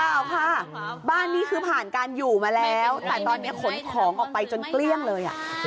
ค่ะบ้านนี้คือผ่านการอยู่มาแล้วแต่ตอนนี้ขนของออกไปจนเกลี้ยงเลยอ่ะ